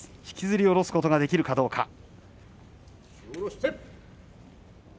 引きずり降ろすことができるかどうか。